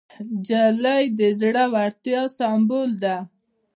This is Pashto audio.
نجلۍ د زړورتیا سمبول ده.